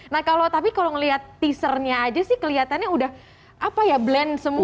nah kalau tapi kalau ngeliat teasernya aja sih kelihatannya udah apa ya blend semua